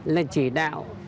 là chỉ đạo